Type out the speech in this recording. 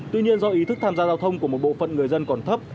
tuy nhiên do ý thức tham gia giao thông của một bộ phận người dân còn thấp